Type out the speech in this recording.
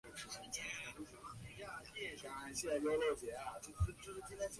吉尔吉斯斯坦地震观测和研究中心还积极寻求解决各类区域性问题。